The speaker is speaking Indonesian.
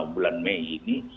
bulan mei ini